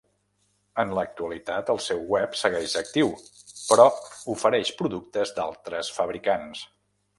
En l'actualitat, el seu web segueix actiu, però ofereix productes d'altres fabricants.